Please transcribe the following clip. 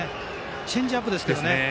チェンジアップですけどね。